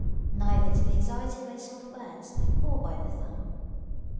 ["Neither to be excited by soft words or by the thumb."